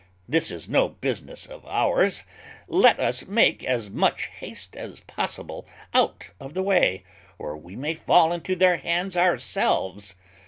This is no business of ours; let us make as much haste as possible out of the way, or we may fall into their hands ourselves."